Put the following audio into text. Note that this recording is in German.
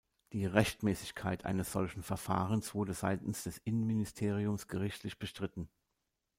Die Rechtmäßigkeit eines solchen Verfahrens wurde seitens des Innenministeriums gerichtlich bestritten.